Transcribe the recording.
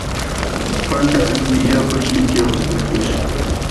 پنډه انګيا په ژمي کي اغوستل کيږي.